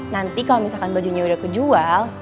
nanti kalau misalkan bajunya udah kejual